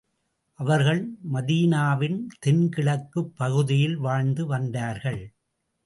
அவர்கள் மதீனாவின் தென்கிழக்குப் பகுதியில் வாழ்ந்து வந்தார்கள்.